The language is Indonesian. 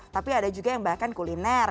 tapi ada juga yang bahkan kuliner